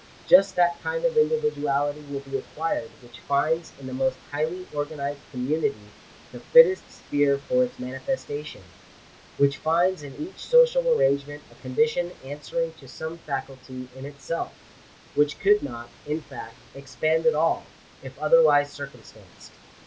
Just that kind of individuality will be acquired which finds in the most highly organized community the fittest sphere for its manifestation — which finds in each social arrangement a condition answering to some faculty in itself — which could not, in fact, expand at all, if otherwise circum stanced.